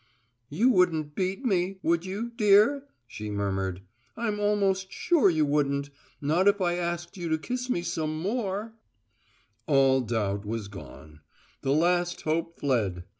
"You wouldn't beat me, would you, dear?" she murmured. "I'm almost sure you wouldn't; not if I asked you to kiss me some more." All doubt was gone, the last hope fled!